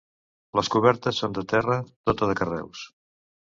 Les cobertes són de terra, tota de carreus.